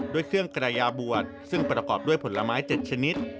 ด้วยเครื่องกระยาบวชซึ่งประกอบด้วยผลไม้๗ชนิด